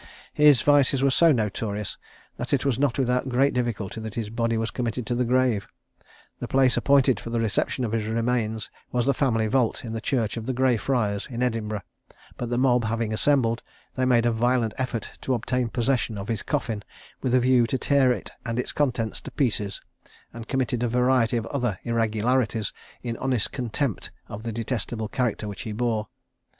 His vices were so notorious, that it was not without great difficulty that his body was committed to the grave. The place appointed for the reception of his remains was the family vault in the church of the Greyfriars in Edinburgh; but the mob having assembled, they made a violent effort to obtain possession of his coffin, with a view to tear it and its contents to pieces, and committed a variety of other irregularities, in honest contempt of the detestable character which he bore.